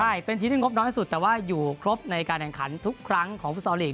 ใช่เป็นทีมที่งบน้อยสุดแต่ว่าอยู่ครบในการแข่งขันทุกครั้งของฟุตซอลลีก